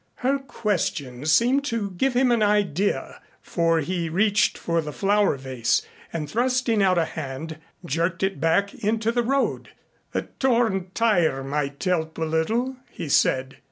Her question seemed to give him an idea, for he reached for the flower vase and, thrusting out a hand, jerked it back into the road. "A torn tire might help a little," he said.